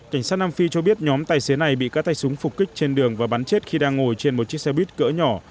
cảnh sát nam phi cho biết nhóm tài xế này bị các tay súng phục kích trên đường và bắn chết khi đang ngồi trên một chiếc xe buýt cỡ nhỏ